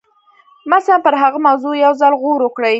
مثلاً پر هغه موضوع یو ځل غور وکړئ